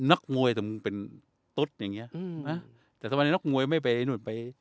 นักมวยแต่มึงเป็นตุ๊ดอย่างเงี้อืมนะแต่ทำไมนักมวยไม่ไปนู่นไป